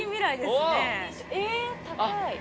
えっ高い。